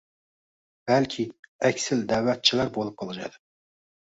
balki aksilda’vatchilar bo‘lib qolishadi.